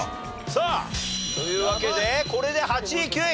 さあというわけでこれで８位９位。